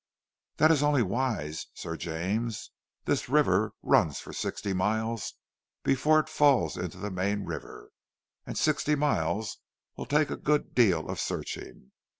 "That is only wise, Sir James. This river runs for sixty miles before it falls into the main river, and sixty miles will take a good deal of searching.